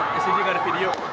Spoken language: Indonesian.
di sini tidak ada video